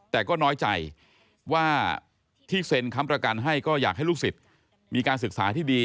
แต่ก็น้อยใจว่าที่เซ็นค้ำประกันให้ก็อยากให้ลูกศิษย์มีการศึกษาที่ดี